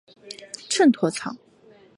秤砣草